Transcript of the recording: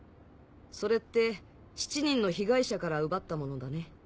それって７人の被害者から奪ったものだね。